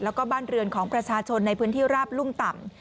แล้วก็บ้านเรือนของประชาชนในพื้นที่ราบลุ่มต่ำ